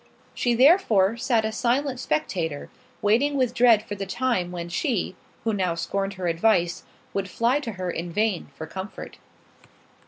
She, therefore, sat a silent spectator, waiting with dread for the time when she, who now scorned her advice, would fly to her in vain for comfort.